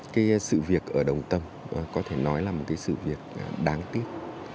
cái sự việc ở đồng tâm có thể nói là một cái sự việc đáng tiếc